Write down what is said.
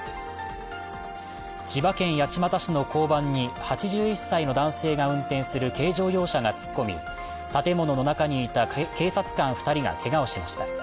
千葉県八街市の交番に８１歳の男性が運転する軽乗用車が突っ込み建物の中にいた警察官２人がけがをしました。